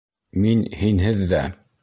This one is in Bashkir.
Мин һинһеҙ ҙә!..